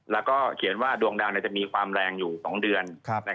แล้วก็เขียนว่าดวงดาวจะมีความแรงอยู่๒เดือน